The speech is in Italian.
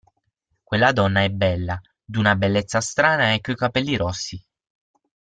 Quella donna è bella, d'una bellezza strana e coi capelli rossi.